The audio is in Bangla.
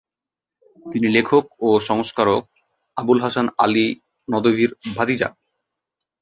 তিনি লেখক ও সংস্কারক আবুল হাসান আলী নদভীর ভাতিজা।